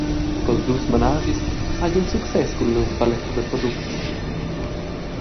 Quels dus menaschis hagien success cun lur paletta da products.